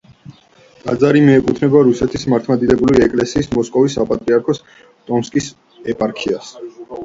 ტაძარი მიეკუთვნება რუსეთის მართლმადიდებელი ეკლესიის მოსკოვის საპატრიარქოს ტომსკის ეპარქიას.